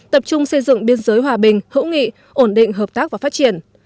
tập trung xây dựng biên giới hòa bình hữu nghị ổn định hợp tác và phát triển